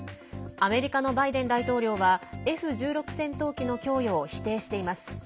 アメリカのバイデン大統領はＦ１６戦闘機の供与を否定しています。